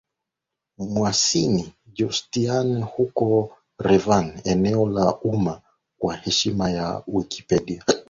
Musainian Justinian huko Ravenna Eneo la Umma Kwa heshima ya Wikipedia